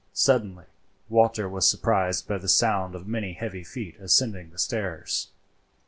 Suddenly Walter was surprised by the sound of many heavy feet ascending the stairs.